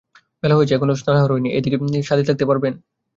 বেলা হয়েছে, এখনো স্নানাহার হয় নি, এ দেখে কি সাধ্বী থাকতে পারবেন?